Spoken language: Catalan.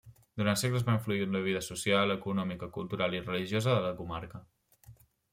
Durant segles va influir en la vida social, econòmica, cultural i religiosa de la comarca.